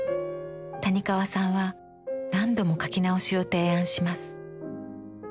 谷川さんは何度も描き直しを提案します。